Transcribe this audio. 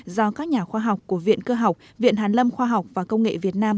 do các nhà khoa học của viện cơ học viện hàn lâm khoa học và công nghệ việt nam